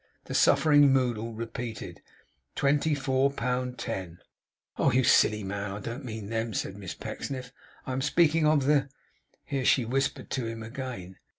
The suffering Moddle repeated: 'Twenty four pound ten!' 'Oh, you silly man! I don't mean them,' said Miss Pecksniff. 'I am speaking of the ' Here she whispered him again.